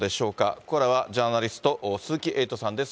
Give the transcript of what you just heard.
ここからはジャーナリスト、鈴木エイトさんです。